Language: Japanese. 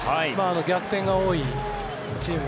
逆転が多いチーム。